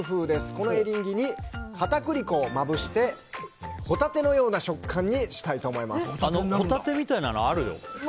このエリンギに片栗粉をまぶしてホタテのような食感にホタテみたいなのあるよ。